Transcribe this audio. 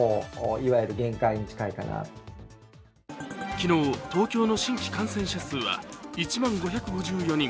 昨日、東京の新規感染者数は１万５５４人。